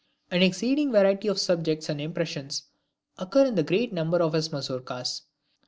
An exceeding variety of subjects and impressions occur in the great number of his Mazourkas.